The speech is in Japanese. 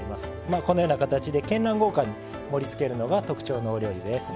このような形でけんらん豪華に盛りつけるのが特徴です。